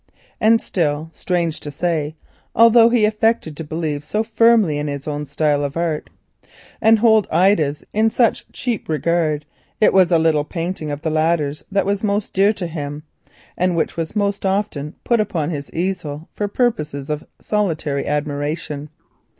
But, strange to say, although he affected to believe so firmly in his own style of art and hold Ida's in such cheap regard, it was a little painting of the latter's that he valued most, and which was oftenest put upon his easel for purposes of solitary admiration.